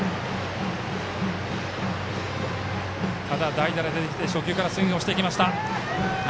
代打で出てきて初球からスイングしてきました。